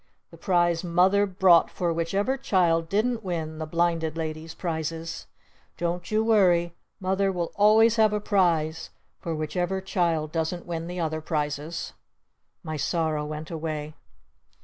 "The Prize Mother brought for whichever child didn't win the Blinded Lady's prizes! Don't you worry! Mother'll always have a prize for whichever child doesn't win the other prizes!" My sorrow went away.